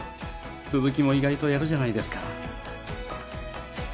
鈴木も意外とやるじゃないですか